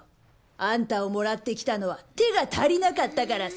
あんたをもらってきたのは手が足りなかったからさ。